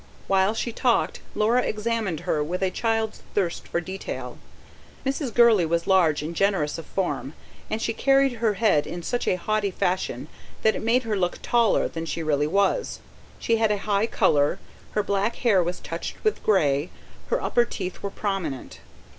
While she talked Laura examined her, with a child's thirst for detail. Mrs. Gurley was large and generous of form, and she carried her head in such a haughty fashion that it made her look taller than she really was. She had a high colour, her black hair was touched with grey, her upper teeth were prominent.